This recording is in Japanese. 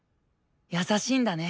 優しいんだね！